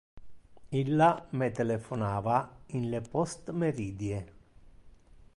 Illa me telephonava in le postmeridie.